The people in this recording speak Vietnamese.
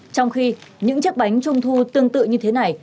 trong khi những chiếc bánh trung thu tương tự như thế này